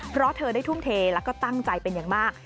เพราะเธอได้ทุ่มเทแล้วก็ตั้งใจเป็นอย่างมาก